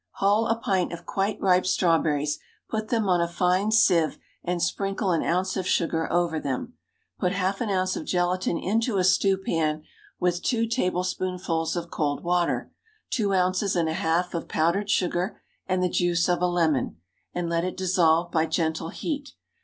_ Hull a pint of quite ripe strawberries; put them on a fine sieve, and sprinkle an ounce of sugar over them; put half an ounce of gelatine into a stewpan with two tablespoonfuls of cold water, two ounces and a half of powdered sugar, and the juice of a lemon, and let it dissolve by gentle heat.